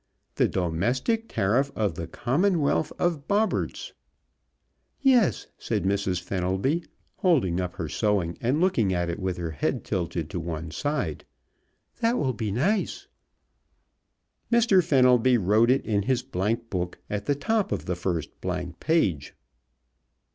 'The Domestic Tariff of the Commonwealth of Bobberts!'" "Yes," said Mrs. Fenelby, holding up her sewing and looking at it with her head tilted to one side, "that will be nice." Mr. Fenelby wrote it in his blankbook, at the top of the first blank page.